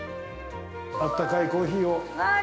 ◆あったかいコーヒーを。